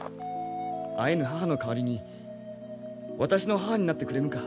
会えぬ母の代わりに私の母になってくれぬか？